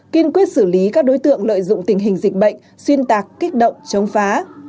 kiên quyết xử lý các đối tượng lợi dụng tình hình dịch bệnh xuyên tạc kích động chống phá